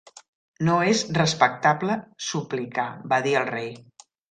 "No és respectable suplicar", va dir el rei.